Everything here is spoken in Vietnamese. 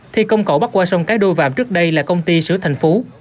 thi công cầu bắt qua sông cái đôi vạm trước đây là công ty sửa thành phố